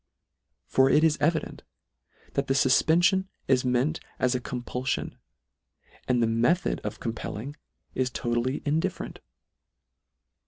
For it is evi dent, that the fufpenfion is meant as a com pullion ; and the method of compelling is to tally indifferent.